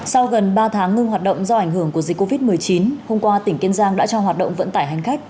sau gần ba tháng ngưng hoạt động do ảnh hưởng của dịch covid một mươi chín hôm qua tỉnh kiên giang đã cho hoạt động vận tải hành khách